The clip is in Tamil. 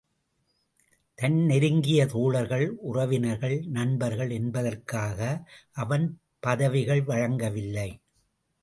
தன் நெருங்கிய தோழர்கள், உறவினர்கள் நண்பர்கள் என்பதற்காக அவன் பதவிகள் வழங்கவில்லை.